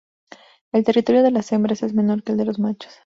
El territorio de las hembras es menor que el de los machos.